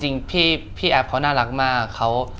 จริงพี่แอฟเขาน่ารักมาก